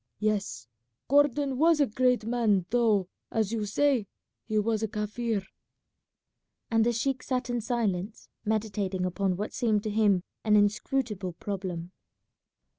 Yes, Gordon was a great man though, as you say, he was a Kaffir;" and the sheik sat in silence, meditating upon what seemed to him an inscrutable problem.